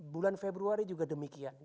bulan februari juga demikian